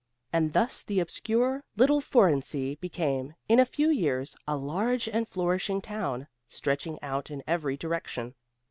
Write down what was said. And thus the obscure little Fohrensee became, in a few years, a large and flourishing town, stretching out in every direction.